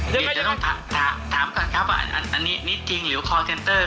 เดี๋ยวจะต้องถามก่อนครับว่านี่จริงหรือคอลเทนเตอร์ครับ